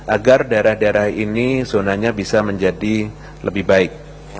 agar daerah daerah ini zonanya bisa menjadi lebih baik